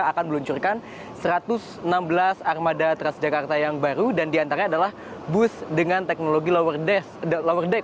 akan meluncurkan satu ratus enam belas armada transjakarta yang baru dan diantara adalah bus dengan teknologi lower deck